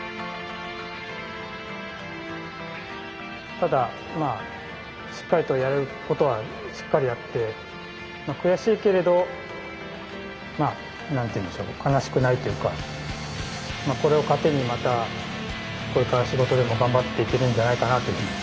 ただしっかりとやれることはしっかりやって悔しいけれどなんていうんでしょうか悲しくないというかこれを糧にまたこれから仕事でも頑張っていけるんじゃないかなというふうに。